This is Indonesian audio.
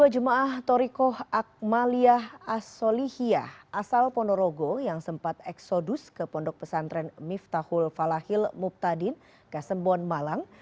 dua jemaah torikoh akmaliyah asolihiyah asal ponorogo yang sempat eksodus ke pondok pesantren miftahul falahhil muptadin kasembon malang